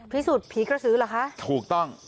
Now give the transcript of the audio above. พิสูจน์ผีกระสือเหรอคะถูกต้อง